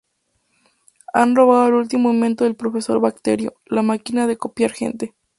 Han robado el último invento del profesor Bacterio, "La máquina de copiar gente".